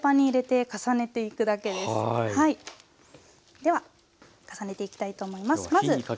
では重ねていきたいと思います。